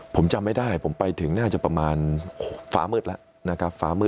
ผมจะไม่ได้ผมไปถึงน่าจะประมาณฝ้ามืดแล้ว